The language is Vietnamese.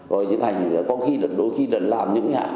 rồi những hành có khi đôi khi là làm những cái hạ